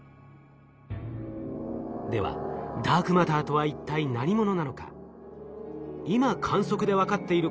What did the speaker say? ではダークマターとは一体何者なのか？